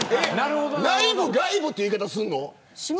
内部外部っていう言い方するの。